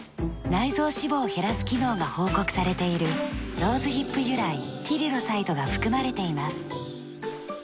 内臓脂肪を減らす機能が報告されているローズヒップ由来ティリロサイドが含まれています。